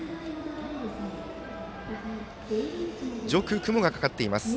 上空雲がかかっています。